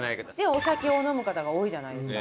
お酒を飲む方が多いじゃないですか。